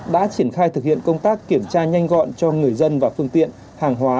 đã triển khai thực hiện công tác kiểm tra nhanh gọn cho người dân và phương tiện hàng hóa